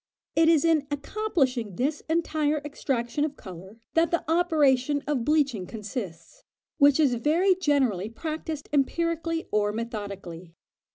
It is in accomplishing this entire extraction of colour that the operation of bleaching consists, which is very generally practised empirically or methodically.